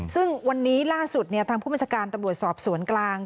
ซึ่งวันนี้ล่าสุดทางผู้บัญชาการตำรวจสอบสวนกลาง